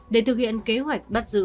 để thực hiện kế hoạch bắt giữ